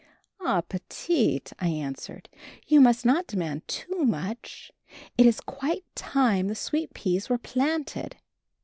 "Ah, Petite," I answered, "you must not demand too much. It is quite time the sweet peas were planted!"